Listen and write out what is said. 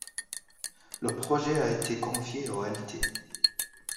Le projet a été confié au Lt.